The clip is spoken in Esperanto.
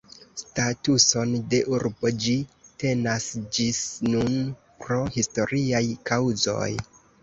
Statuson de urbo ĝi tenas ĝis nun pro historiaj kaŭzoj.